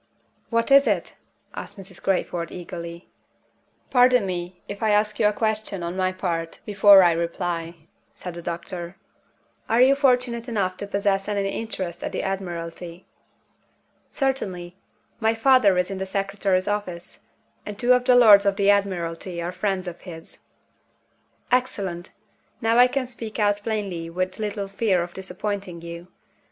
"What is it?" asked Mrs. Crayford, eagerly. "Pardon me if I ask you a question, on my part, before I reply," said the doctor. "Are you fortunate enough to possess any interest at the Admiralty?" "Certainly. My father is in the Secretary's office; and two of the Lords of the Admiralty are friends of his." "Excellent! Now I can speak out plainly with little fear of disappointing you.